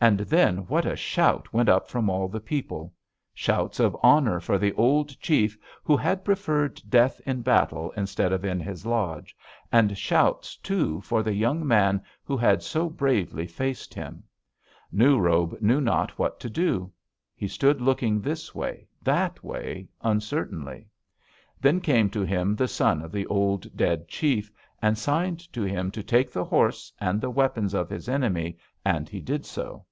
"And then what a shout went up from all the people! Shouts of honor for the old chief who had preferred death in battle instead of in his lodge, and shouts too for the young man who had so bravely faced him. New Robe knew not what to do. He stood looking this way, that way, uncertainly. Then came to him the son of the old dead chief and signed to him to take the horse and the weapons of his enemy, and he did so.